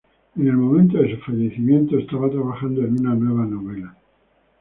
En el momento de su fallecimiento estaba trabajando en una nueva novela.